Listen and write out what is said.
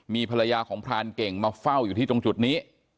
มีภรรยาของพรานเก่งมาเฝ้าอยู่ที่ตรงจุดนี้